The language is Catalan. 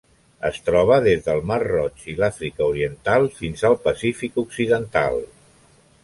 Es troba des del Mar Roig i l'Àfrica Oriental fins al Pacífic occidental.